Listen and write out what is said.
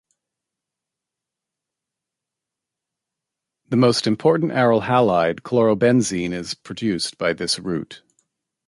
The most important aryl halide, chlorobenzene is produced by this route.